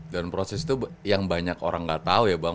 dan proses itu yang banyak orang gak tau ya bang